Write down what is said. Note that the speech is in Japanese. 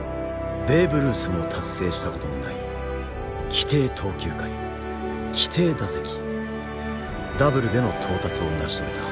ベーブ・ルースも達成したことのない規定投球回規定打席ダブルでの到達を成し遂げた。